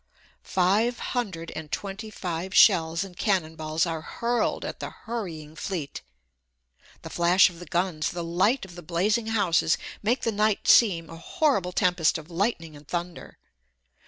Five hundred and twenty five shells and cannonballs are hurled at the hurrying fleet. The flash of the guns, the light of the blazing houses, make the night seem a horrible tempest of lightning and thunder.